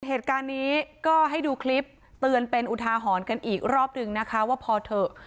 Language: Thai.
เหตุการณ์นี้ก็ให้ดูคลิปเตือนเป็นอุทาหรณ์กันอีกรอบหนึ่งนะคะว่าพอเถอะ